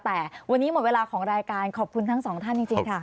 แต่วันนี้หมดเวลาของรายการขอบคุณทั้งสองท่านจริงค่ะ